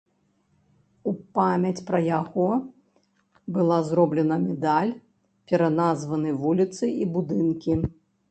У памяць пра яго была зроблены медаль, пераназваны вуліцы і будынкі.